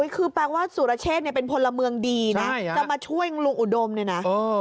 คือแปลว่าสุรเชษเป็นพลเมืองดีนะจะมาช่วยลุงอุดมเนี่ยนะ